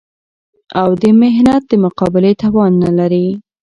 او د محنت د مقابلې توان نه لري